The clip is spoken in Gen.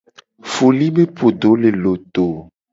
Foli be podo le loto.